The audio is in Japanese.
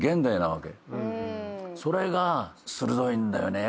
それが鋭いんだよね